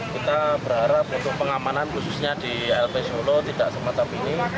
kita berharap untuk pengamanan khususnya di lp solo tidak semacam ini